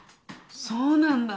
そうなんだ。